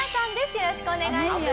よろしくお願いします。